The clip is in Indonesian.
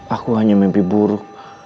aku hanya mimpi buruk